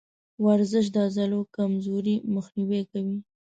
ورزش د عضلو کمزوري مخنیوی کوي.